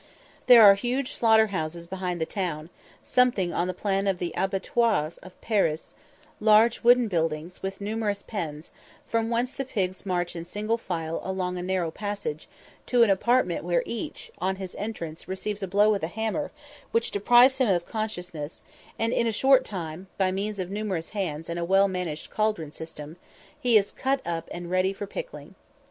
There are huge slaughterhouses behind the town, something on the plan of the abattoirs of Paris large wooden buildings, with numerous pens, from whence the pigs march in single file along a narrow passage, to an apartment where each, on his entrance, receives a blow with a hammer, which deprives him of consciousness, and in a short time, by means of numerous hands, and a well managed caldron system, he is cut up ready for pickling.